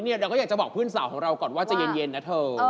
เราก็อยากจะบอกเพื่อนสาวของเราก่อนว่าจะเย็นนะเธอ